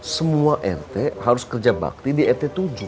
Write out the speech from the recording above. semua rt harus kerja bakti di rt tujuh